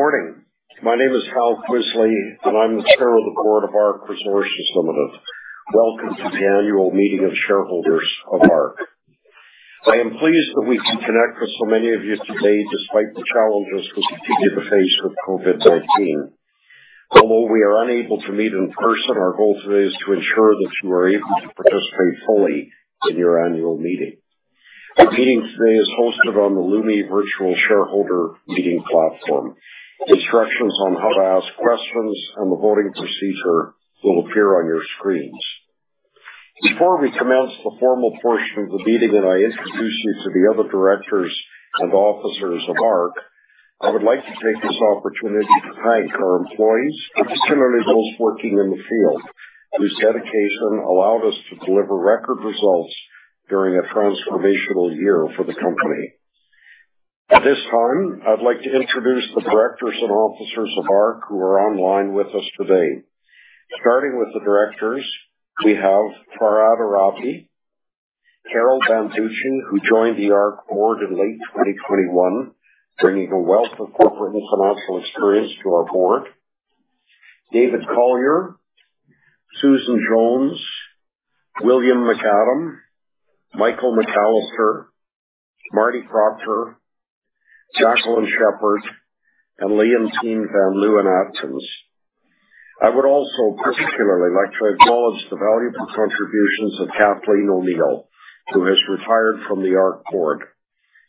Good morning. My name is Hal Kvisle, and I'm the Chair of the Board of ARC Resources Ltd. Welcome to the annual meeting of shareholders of ARC. I am pleased that we can connect with so many of you today despite the challenges we continue to face with COVID-19. Although we are unable to meet in person, our goal today is to ensure that you are able to participate fully in your annual meeting. Our meeting today is hosted on the Lumi Virtual Shareholder Meeting platform. Instructions on how to ask questions and the voting procedure will appear on your screens. Before we commence the formal portion of the meeting and I introduce you to the other directors and officers of ARC, I would like to take this opportunity to thank our employees, particularly those working in the field, whose dedication allowed us to deliver record results during a transformational year for the company. At this time, I'd like to introduce the directors and officers of ARC who are online with us today. Starting with the directors, we have Farhad Ahrabi, Carol Banducci, who joined the ARC board in late 2021, bringing a wealth of corporate and financial experience to our board. David Collyer, Susan Jones, William McAdam, Michael McAllister, Marty Proctor, Jacqueline Sheppard, and Leontine van Leeuwen-Atkins. I would also particularly like to acknowledge the valuable contributions of Kathleen O'Neill, who has retired from the ARC board.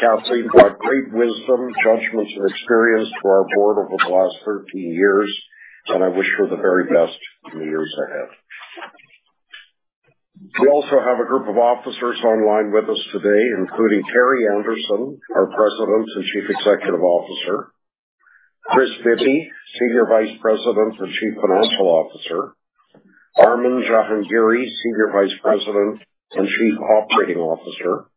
Kathleen brought great wisdom, judgment, and experience to our board over the last 13 years, and I wish her the very best in the years ahead. We also have a group of officers online with us today, including Terry Anderson, our President and Chief Executive Officer, Kris Bibby, Senior Vice President and Chief Financial Officer, Armin Jahangiri, Senior Vice President and Chief Operating Officer,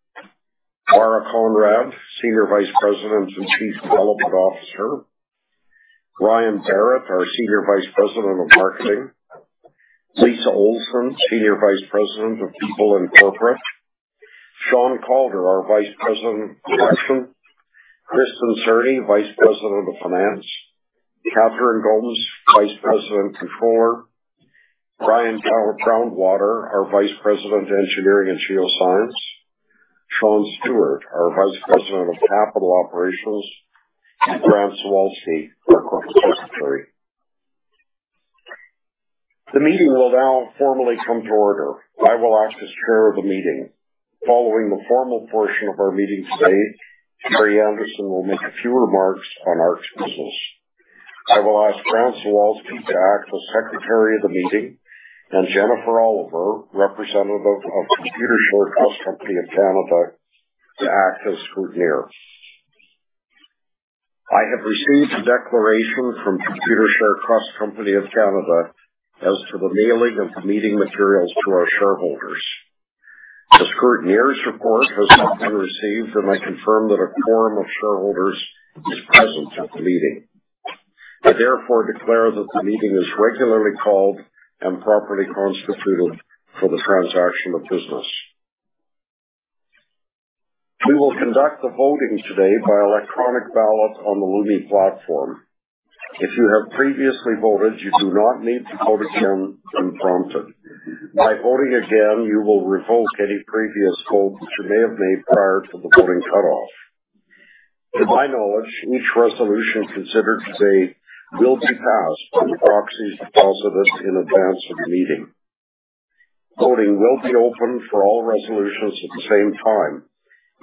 Lara Conrad, Senior Vice President and Chief Development Officer, Ryan Berrett, our Senior Vice President of Marketing, Lisa Olsen, Senior Vice President of People and Corporate, Sean Calder, our Vice President of Production, Kristin Cerny, Vice President of Finance, Katherine Gomes, Vice President and Controller, Brian Groundwater, our Vice President of Engineering and Geoscience, Sean Stuart, our Vice President of Capital Operations, and Grant Zawalsky, our Corporate Secretary. The meeting will now formally come to order. I will act as Chair of the meeting. Following the formal portion of our meeting today, Terry Anderson will make a few remarks on ARC's business. I will ask Grant Zawalsky to act as Secretary of the Meeting and Jennifer Oliver, representative of Computershare Trust Company of Canada, to act as scrutineer. I have received a declaration from Computershare Trust Company of Canada as to the mailing of the meeting materials to our shareholders. The scrutineer's report has now been received, and I confirm that a quorum of shareholders is present at the meeting. I therefore declare that the meeting is regularly called and properly constituted for the transaction of business. We will conduct the voting today by electronic ballot on the Lumi platform. If you have previously voted, you do not need to vote again when prompted. By voting again, you will revoke any previous vote which you may have made prior to the voting cutoff. To my knowledge, each resolution considered today will be passed by the proxies deposited in advance of the meeting. Voting will be open for all resolutions at the same time,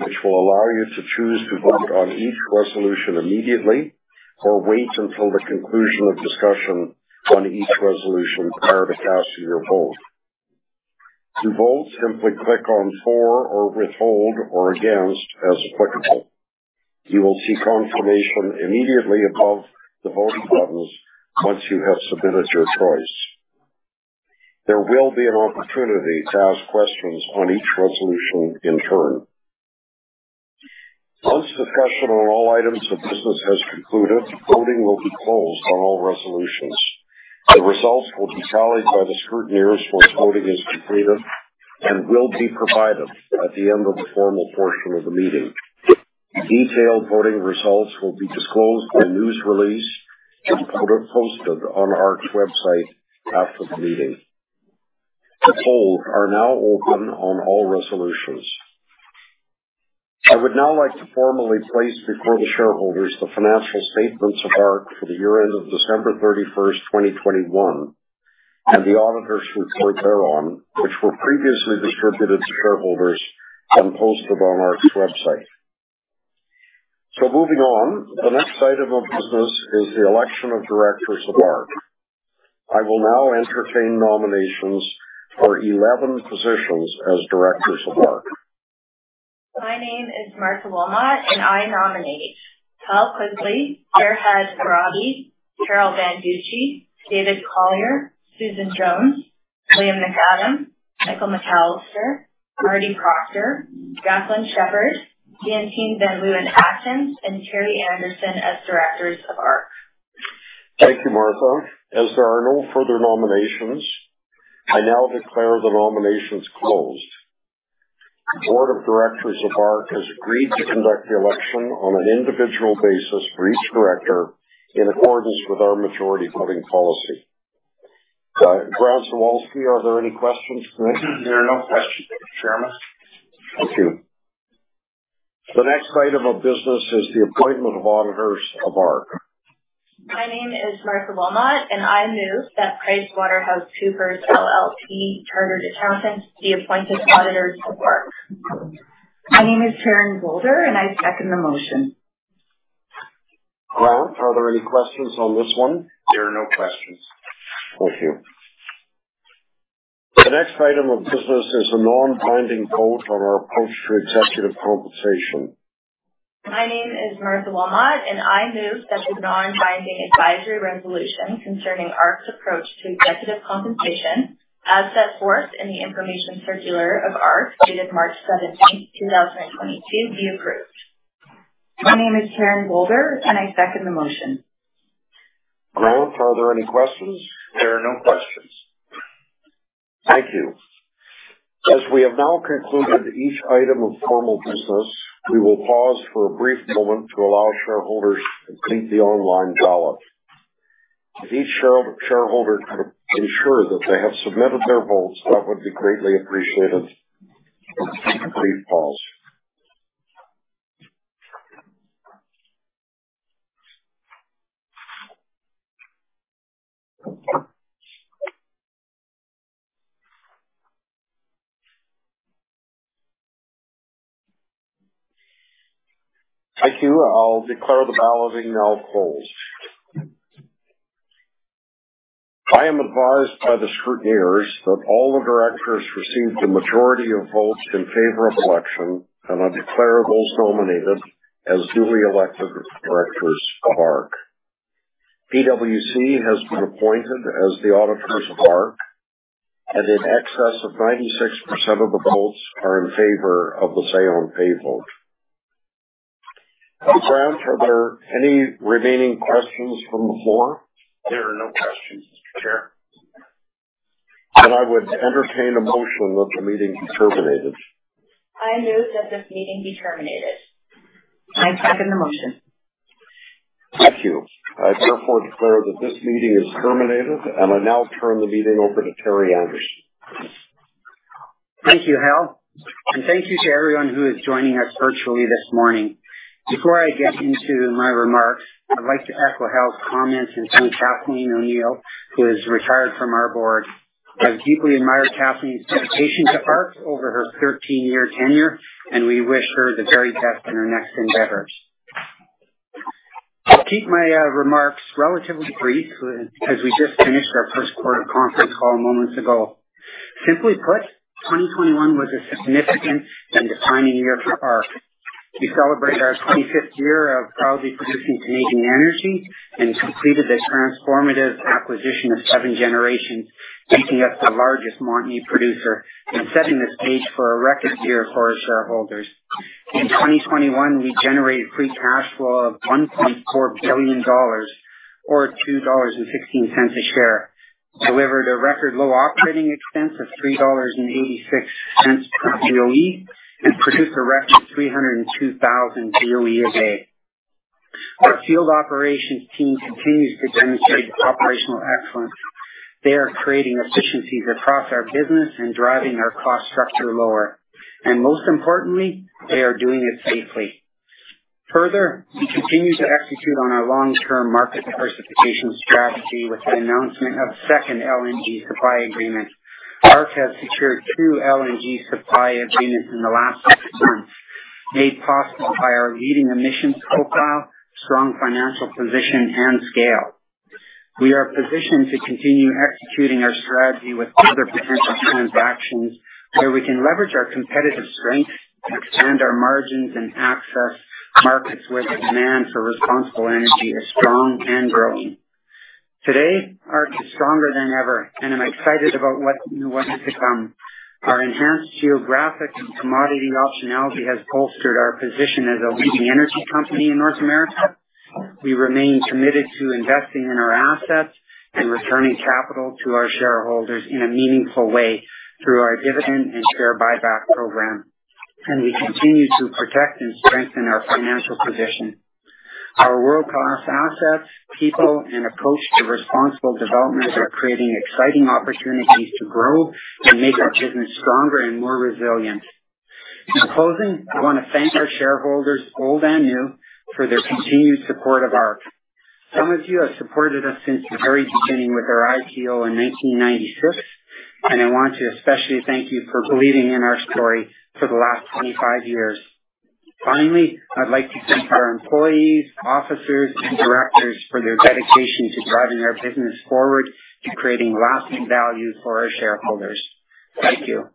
which will allow you to choose to vote on each resolution immediately or wait until the conclusion of discussion on each resolution prior to casting your vote. To vote, simply click on For or Withhold or Against as applicable. You will see confirmation immediately above the voting buttons once you have submitted your choice. There will be an opportunity to ask questions on each resolution in turn. Once discussion on all items of business has concluded, voting will be closed on all resolutions. The results will be tallied by the scrutineers once voting is completed and will be provided at the end of the formal portion of the meeting. Detailed voting results will be disclosed in a news release and posted on ARC's website after the meeting. The polls are now open on all resolutions. I would now like to formally place before the shareholders the financial statements of ARC for the year end of December 31st, 2021, and the auditor's report thereon, which were previously distributed to shareholders and posted on ARC's website. Moving on. The next item of business is the election of directors of ARC. I will now entertain nominations for 11 positions as directors of ARC. My name is Martha Wilmot, and I nominate Hal Kvisle, Farhad Ahrabi, Carol Banducci, David Collyer, Susan Jones, William McAdam, Michael McAllister, Marty Proctor, Jacqueline Sheppard, Leontine van Leeuwen-Atkins, and Terry Anderson as Directors of ARC. Thank you, Martha. As there are no further nominations, I now declare the nominations closed. The Board of Directors of ARC has agreed to conduct the election on an individual basis for each director in accordance with our majority voting policy. Grant Zawalsky, are there any questions for me? There are no questions, Chairman. Thank you. The next item of business is the appointment of auditors of ARC. My name is Martha Wilmot, and I move that PricewaterhouseCoopers LLP, Chartered Accountants, be appointed auditors of ARC. My name is Taryn Bolder, and I second the motion. Grant, are there any questions on this one? There are no questions. Thank you. The next item of business is a non-binding vote on our approach to executive compensation. My name is Martha Wilmot, and I move that the non-binding advisory resolution concerning ARC's approach to executive compensation, as set forth in the information circular of ARC, dated March 17th, 2022, be approved. My name is Taryn Bolder, and I second the motion. Grant, are there any questions? There are no questions. Thank you. As we have now concluded each item of formal business, we will pause for a brief moment to allow shareholders to complete the online ballot. If each shareholder could ensure that they have submitted their votes, that would be greatly appreciated. A brief pause. Thank you. I'll declare the balloting now closed. I am advised by the scrutineers that all the directors received a majority of votes in favor of election and are declared nominated as duly elected directors of ARC. PwC has been appointed as the auditors of ARC, and in excess of 96% of the votes are in favor of the say on pay vote. Grant, are there any remaining questions from the floor? There are no questions, Chair. I would entertain a motion that the meeting be terminated. I move that this meeting be terminated. I second the motion. Thank you. I therefore declare that this meeting is terminated, and I now turn the meeting over to Terry Anderson. Thank you, Hal, and thank you to everyone who is joining us virtually this morning. Before I get into my remarks, I'd like to echo Hal's comments and thank Kathleen O'Neill, who has retired from our board. I deeply admire Kathleen's dedication to ARC over her 13-year tenure, and we wish her the very best in her next endeavors. I'll keep my remarks relatively brief as we just finished our first quarter conference call moments ago. Simply put, 2021 was a significant and defining year for ARC. We celebrated our 25th year of proudly producing Canadian energy and completed the transformative acquisition of Seven Generations, making us the largest Montney producer and setting the stage for a record year for our shareholders. In 2021, we generated free cash flow of 1.4 billion dollars or 2.16 dollars per share, delivered a record low operating expense of 3.86 dollars per BOE, and produced a record 302,000 BOE a day. Our field operations team continues to demonstrate operational excellence. They are creating efficiencies across our business and driving our cost structure lower, and most importantly, they are doing it safely. Further, we continue to execute on our long-term market diversification strategy with the announcement of second LNG supply agreement. ARC has secured two LNG supply agreements in the last six months, made possible by our leading emissions profile, strong financial position, and scale. We are positioned to continue executing our strategy with other potential transactions where we can leverage our competitive strength to expand our margins and access markets where the demand for responsible energy is strong and growing. Today, ARC is stronger than ever, and I'm excited about what is to come. Our enhanced geographic and commodity optionality has bolstered our position as a leading energy company in North America. We remain committed to investing in our assets and returning capital to our shareholders in a meaningful way through our dividend and share buyback program. We continue to protect and strengthen our financial position. Our world-class assets, people, and approach to responsible development are creating exciting opportunities to grow and make our business stronger and more resilient. In closing, I want to thank our shareholders, old and new, for their continued support of ARC. Some of you have supported us since the very beginning with our IPO in 1996, and I want to especially thank you for believing in our story for the last 25 years. Finally, I'd like to thank our employees, officers, and directors for their dedication to driving our business forward and creating lasting value for our shareholders. Thank you.